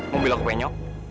mau bilang kepenyok